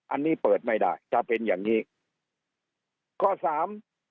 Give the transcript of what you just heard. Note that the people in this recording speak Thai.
อันนี้เปิดไม่ได้ถ้าเป็นอย่างงี้ข้อสาม